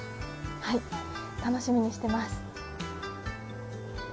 はい楽しみにしてます。